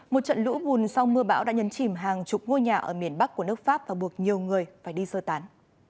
một trận lũ bùn sau mưa bão đã nhấn chìm hàng chục ngôi nhà ở miền bắc của nước pháp và buộc nhiều người phải đi sơ tán